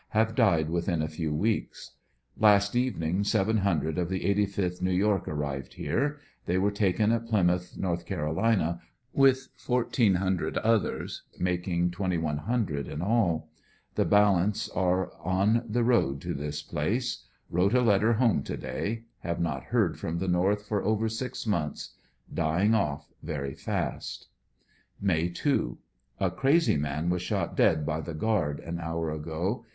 have died within a few weeks. Last evening 700 of 54 ANDEBSONYILLE DIABY, the 85th New York arrived here They were taken at Plymouth, K C, with 1,400 others, making 2,100 in all. The balance are on the road to this place. Wrote a letter home to day. Have not heard from the North for over six months. Dying off very fast. May 2.— A crazy man was shot dead by the guard an hour ago.